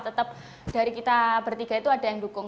tetap dari kita bertiga itu ada yang dukung